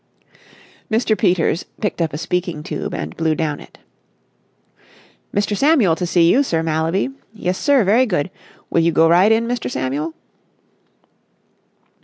Mr. Peters picked up a speaking tube and blew down it. "Mr. Samuel to see you, Sir Mallaby. Yes, sir, very good. Will you go right in, Mr. Samuel?"